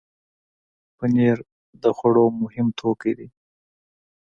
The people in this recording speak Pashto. پنېر د خوړو مهم توکی دی.